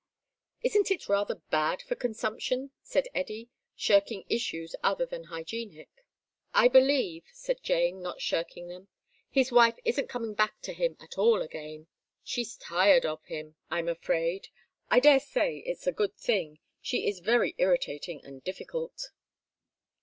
"Isn't it rather bad for consumption?" said Eddy, shirking issues other than hygienic. "I believe," said Jane, not shirking them, "his wife isn't coming back to him at all again. She's tired of him, I'm afraid. I daresay it's a good thing; she is very irritating and difficult."